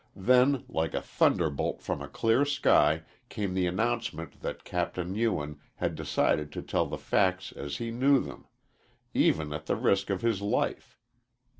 Then, like a thunderbolt from a clear sky, came the announcement that Capt. Ewen had decided to tell the facts as he knew them, even at the risk of his life.